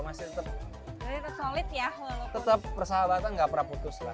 masih tetap persahabatan nggak pernah putus lah